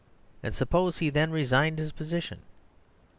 and suppose he then resigned his position.